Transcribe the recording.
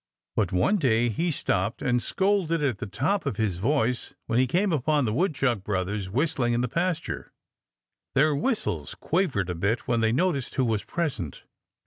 But one day he stopped and scolded at the top of his voice when he came upon the Woodchuck brothers whistling in the pasture. Their whistles quavered a bit when they noticed who was present.